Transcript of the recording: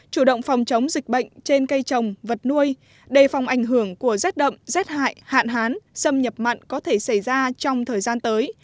chủ động phòng chống dịch bệnh trên cây trồng vật nuôi đề phòng ảnh hưởng của rét đậm rét hại hạn hán xâm nhập mặn có thể xảy ra trong thời gian tới